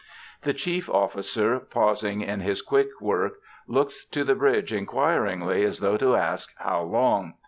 The chief officer, pausing in his quick work, looks to the bridge inquiringly, as though to ask, "How long?"